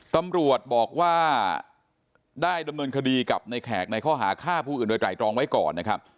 ตำรวจบอกว่าได้ดำเนินคดีกับในแขกในข้อหาฆ่าผู้อื่นโดยไตรตรองไว้ก่อนนะครับ